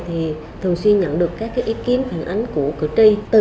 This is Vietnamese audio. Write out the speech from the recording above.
thì thường xuyên nhận được các ý kiến phản ánh của cử tri